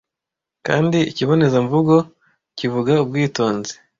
kandi ikibonezamvugo kivuga ubwitonzi